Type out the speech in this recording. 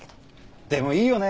でもいいよね。